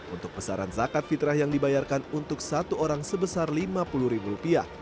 untuk pesaran zakat fitrah yang dibayarkan untuk satu orang sebesar lima puluh ribu rupiah